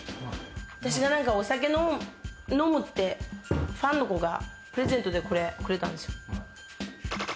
私がお酒飲むってファンの子がプレゼントでくれたんですよ。